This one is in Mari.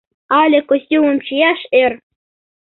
Але костюмым чияш эр.